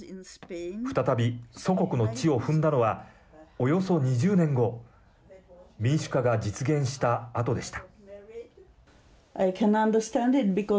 再び祖国の地を踏んだのはおよそ２０年後民主化が実現したあとでした。